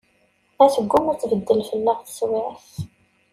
A tegguma ad tbeddel fell-aɣ teswiɛt.